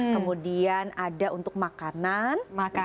kemudian ada untuk makanan